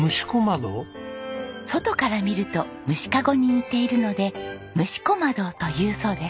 外から見ると虫籠に似ているので虫籠窓というそうです。